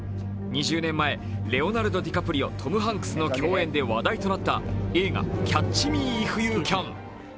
２０年前、レオナルド・ディカプリオ、トム・ハンクスの共演で話題となった映画「キャッチ・ミー・イフ・ユー・キャン」。